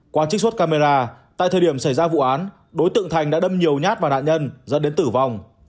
qua trích xuất camera tại thời điểm xảy ra vụ án đối tượng thành đã đâm nhiều nhát vào nạn nhân dẫn đến tử vong